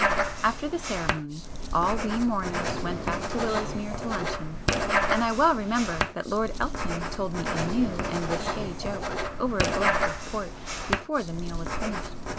After the ceremony all we "mourners" went back to Willowsmere to luncheon, and I well remember that Lord Elton told me a new and risqué joke over a glass of port before the meal was finished.